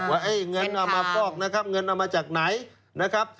ว่าเงินเอามาฟอกเงินเอามาจากไหน